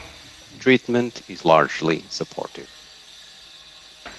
Treatment is largely supportive.